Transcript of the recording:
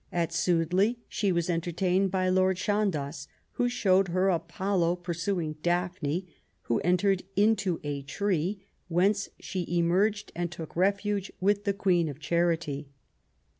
At Sudeley she was entertained by Lord Chandos, who showed her Apollo pursuing Daphne, who entered into a tree, whence she emerged and took refuge with "the Queen of Charity".